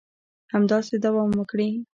همداسې دوام وکړي